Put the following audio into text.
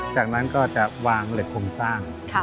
จากนั้นก็จะวางเหล็กโครงสร้าง